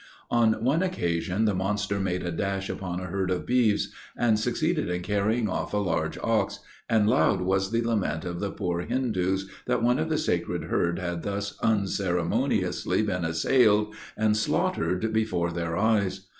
On one occasion, the monster made a dash upon a herd of beeves, and succeeded in carrying off a large ox; and loud was the lament of the poor Hindoos that one of the sacred herd had thus unceremoniously been assailed and slaughtered before their eyes.